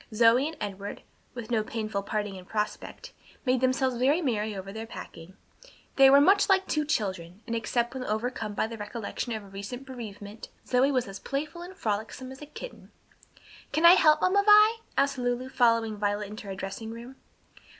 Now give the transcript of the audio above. Zoe and Edward, with no painful parting in prospect, made themselves very merry over their packing. They were much like two children, and except when overcome by the recollection of her recent bereavement, Zoe was as playful and frolicsome as a kitten. "Can I help, Mamma Vi?" asked Lulu, following Violet into her dressing room.